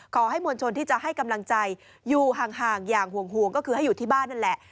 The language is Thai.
ขอให้มวลชนที่จะให้กำลังใจอยู่ห่างอย่างห่วงก็คือให้อยู่ที่บ้านนั่นแหละ